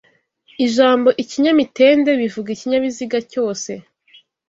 Ijambo ikinyamitende bivuga ikinyabiziga cyose